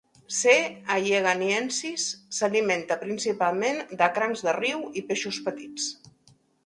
"C. alleganiensis" s'alimenta principalment de crancs de riu i peixos petits.